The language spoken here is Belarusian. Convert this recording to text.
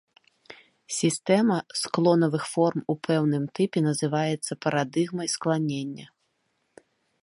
Сістэма склонавых форм у пэўным тыпе называецца парадыгмай скланення.